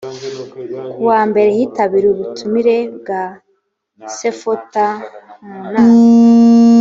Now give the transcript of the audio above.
ku wambere hitabiriwe ubutumire bwa sefota mu nama.